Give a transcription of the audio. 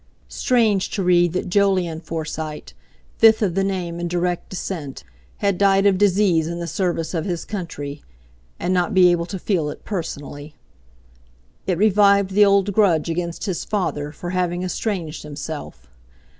Strange to read that Jolyon Forsyte (fifth of the name in direct descent) had died of disease in the service of his country, and not be able to feel it personally. It revived the old grudge against his father for having estranged himself.